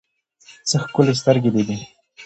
څه ښکلي سترګې دې دي